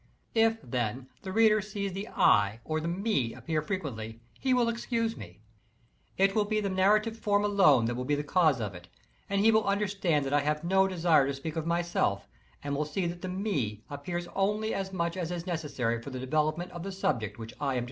If, then, the reader sees the "I" or the "me" appear frequently, he will excuse me. It will be the narrative form alone that will be the cause of it, and he will under stand that I have no desire to speak of myself, and will see that the "me" appears only as much as is necessary for the development of the subject which I am to treat • Under the name of the French American Union is designated in.